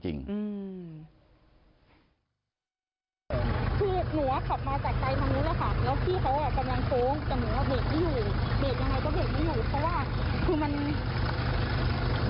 เพราะเขากำลังโฟ้งเข้ามาอีกฝั่งหนึ่ง